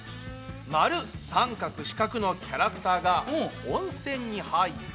丸三角四角のキャラクターが温泉に入って。